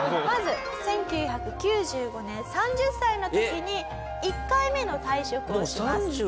まず１９９５年３０歳の時に１回目の退職をします。